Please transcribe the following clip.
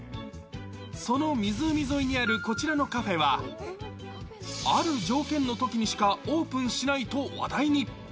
その湖沿いにあるこちらのカフェは、ある条件のときにしかオープンしないと話題に。